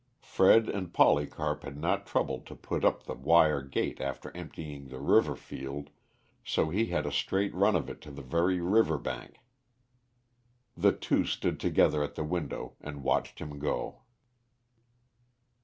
Fred and Polycarp had not troubled to put up the wire gate after emptying the river field, so he had a straight run of it to the very river bank. The two stood together at the window and watched him go.